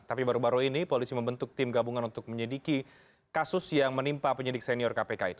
tapi baru baru ini polisi membentuk tim gabungan untuk menyediki kasus yang menimpa penyidik senior kpk itu